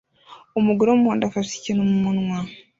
Umugore wumuhondo afashe ikintu mumunwa